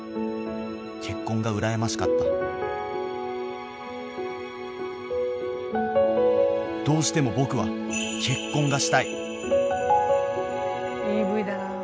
結婚が羨ましかったどうしても僕は結婚がしたいいいＶだな。